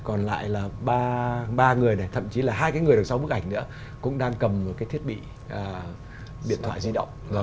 còn lại là ba người này thậm chí là hai cái người đằng sau bức ảnh nữa cũng đang cầm một cái thiết bị điện thoại di động